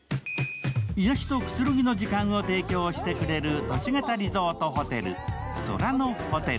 癒やしとくつろぎの時間を提供してくれる都市型リゾートホテルＳＯＲＡＮＯＨＯＴＥＬ。